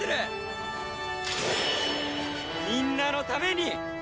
みんなのために！